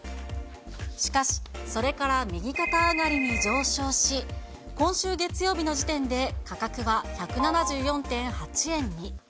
しかし、それから右肩上がりに上昇し、今週月曜日の時点で価格は１７４．８円に。